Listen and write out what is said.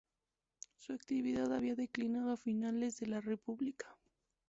Su actividad había declinado a finales de la República.